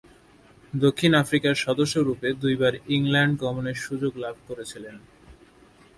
দক্ষিণ আফ্রিকার সদস্যরূপে দুইবার ইংল্যান্ড গমনের সুযোগ লাভ করেছিলেন।